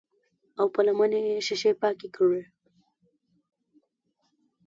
او پۀ لمنه يې شيشې پاکې کړې